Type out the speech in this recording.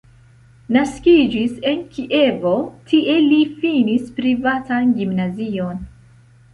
Naskiĝis en Kievo, tie li finis privatan gimnazion.